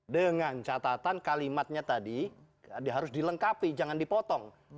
dengan catatan kalimatnya tadi harus dilengkapi jangan dipotong